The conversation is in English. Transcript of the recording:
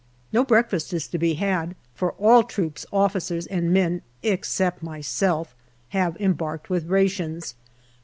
No breakfast is to be had, for all troops, officers and men, except myself, have embarked with rations.